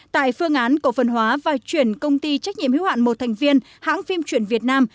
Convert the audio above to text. tại phương án cổ phân hóa và chuyển công ty trách nhiệm hữu hạng một thành viên hãng phim truyện việt nam